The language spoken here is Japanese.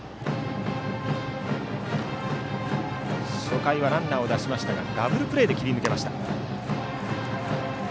初回はランナーを出しましたがダブルプレーで切り抜けました。